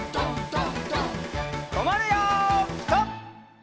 とまるよピタ！